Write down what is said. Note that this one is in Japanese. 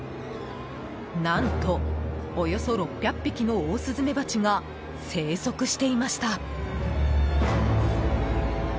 何と、およそ６００匹のオオスズメバチが生息していました。